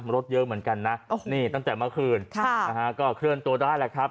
รถเยอะเหมือนกันนะนี่ตั้งแต่เมื่อคืนก็เคลื่อนตัวได้แหละครับ